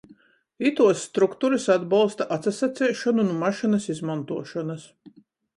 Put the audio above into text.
Ituos strukturys atbolsta atsasaceišonu nu mašynys izmontuošonys.